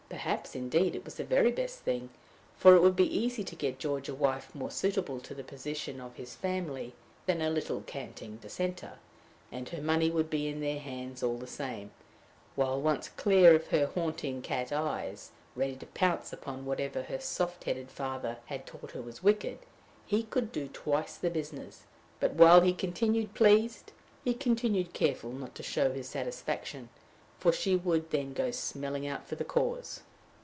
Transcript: Perhaps, indeed, it was the very best thing; for it would be easy to get George a wife more suitable to the position of his family than a little canting dissenter, and her money would be in their hands all the same; while, once clear of her haunting cat eyes, ready to pounce upon whatever her soft headed father had taught her was wicked, he could do twice the business. But, while he continued pleased, he continued careful not to show his satisfaction, for she would then go smelling about for the cause!